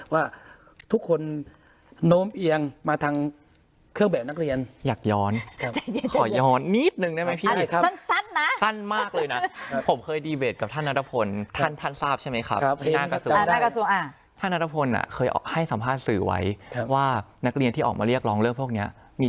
ว่าทุกคนโน้มเอียงมาทางเครื่องแบบนักเรียนอยากย้อนขอย้อนนิดหนึ่งได้ไหมพี่อีกครับสั้นสั้นนะสั้นมากเลยน่ะครับผมเคยดีเบตกับท่านนัตรภนท่านท่านทราบใช่ไหมครับครับน่ากระสุนน่ากระสุนอ่าท่านนัตรภนอ่ะเคยออกให้สัมภาษณ์สื่อไว้ครับว่านักเรียนที่ออกมาเรียกร้องเลือกพวกเนี้